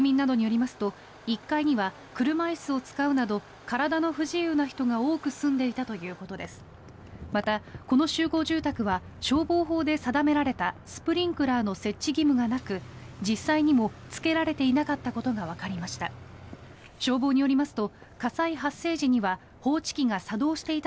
また、この集合住宅は消防法で定められたスプリンクラーの設置義務がなく実際にもつけられていなかったことがわかりました。